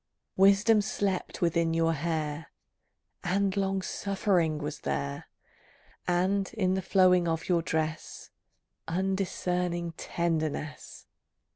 Wisdom slept within your hair, And Long Suffering was there, And, in the flowing of your dress, Undiscerning Tenderness.